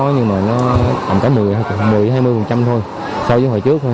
nhưng mà nó gần cả một mươi hai mươi thôi so với hồi trước thôi